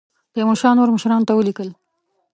تیمورشاه نورو مشرانو ته ولیکل.